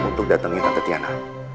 untuk datang minta ketiana